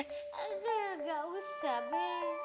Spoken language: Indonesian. enggak enggak usah bek